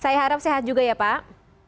saya harap sehat juga ya pak